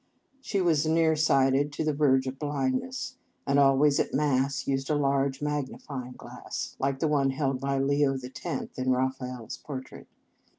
She was near sighted to the verge of blind ness, and always at Mass used a large magnifying glass, like the one held by Leo the Tenth in Raphael s portrait.